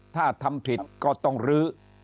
ถ้าทำผิดก็ต้องลื้อ